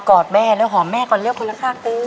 อะกอดแม่แล้วหอมแม่ก่อนเรียกคนละค่าเกิน